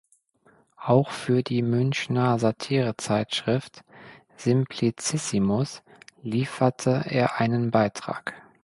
Auch für die Münchner Satirezeitschrift "Simplicissimus" lieferte er einen Beitrag.